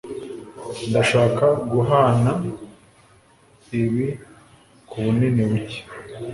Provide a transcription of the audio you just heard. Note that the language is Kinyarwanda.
Ndashaka guhana ibi kubunini buke.